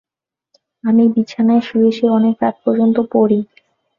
আমি বিছানায় শুয়ে শুয়ে অনেকরাত পর্যন্ত পড়ি।